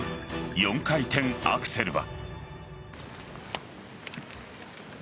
４回転アクセルは。